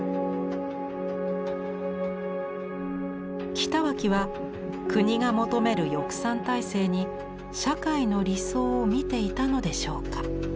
北脇は国が求める翼賛体制に社会の理想を見ていたのでしょうか。